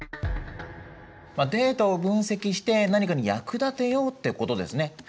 データを分析して何かに役立てようってことですね。